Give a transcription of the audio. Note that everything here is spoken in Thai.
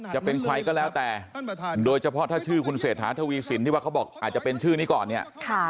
จะเป็นใครก็แล้วแต่โดยเฉพาะถ้าชื่อคุณเศรษฐาทวีสินที่ว่าเขาบอกอาจจะเป็นชื่อนี้ก่อนเนี่ย